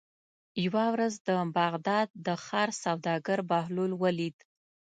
یوه ورځ د بغداد د ښار سوداګر بهلول ولید.